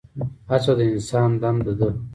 هڅه د انسان دنده ده؟